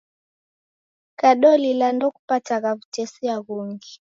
Kadolila ndekupatagha w'utesia ghungi